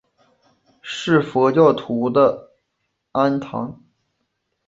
是佛教徒的庵堂。